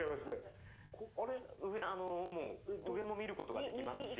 上も見ることができますし。